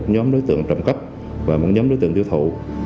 một nhóm đối tượng trong cấp và một nhóm đối tượng tiêu thụ